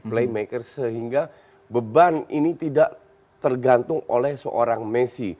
playmaker sehingga beban ini tidak tergantung oleh seorang messi